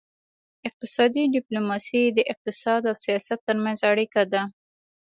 اقتصادي ډیپلوماسي د اقتصاد او سیاست ترمنځ اړیکه ده